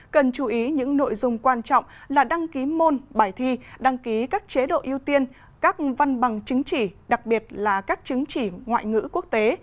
cần chú ý những nội dung quan trọng là đăng ký môn bài thi đăng ký các chế độ ưu tiên các văn bằng chứng chỉ đặc biệt là các chứng chỉ ngoại ngữ quốc tế